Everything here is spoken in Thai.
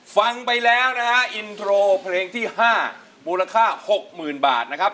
ฟังไปแล้วนะฮะอินโทรเพลงที่๕มูลค่า๖๐๐๐บาทนะครับ